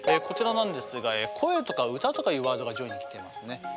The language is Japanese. こちらなんですが「声」とか「歌」とかいうワードが上位にきていますね。